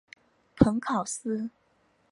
蓬考斯。